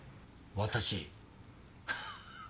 私？